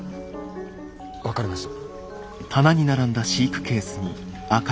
分かりました！